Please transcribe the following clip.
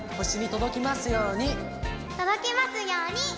とどきますように。